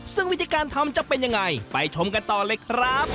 ซึ่งวิธีการทำจะเป็นยังไงไปชมกันต่อเลยครับ